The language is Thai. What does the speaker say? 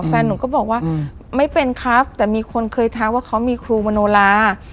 แฟนหนูก็บอกว่าไม่เป็นครับแต่มีคนเคยทักว่าเขามีครูมโนลา